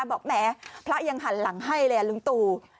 บอกแหมพระยังหันหลังให้เลยลุงตู่